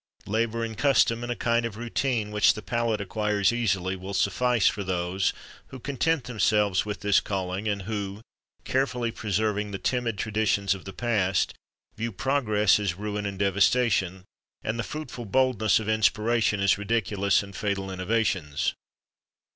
Labour and custom, and a kind of routine which the palate acquires easily, will suffice for those who content themselves with this calling, and who, carefully preserving the timid traditions of the past, view progress as ruin and devastation, and the fruitful boldness of inspiration as ridiculous and fatal innovations.